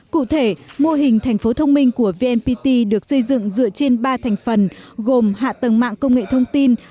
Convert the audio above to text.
cụ thể mô hình thành phố thông minh của vnpt được xây dựng dựa trên ba thành phần gồm hạ tầng mạng công nghệ thông tin